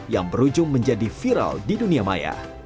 yang berujung menjadi viral di dunia maya